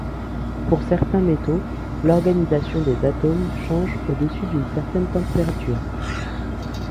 Pour certains métaux, l'organisation des atomes change au-dessus d'une certaine température.